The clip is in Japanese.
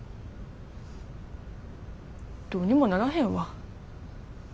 どうにもならへんわ。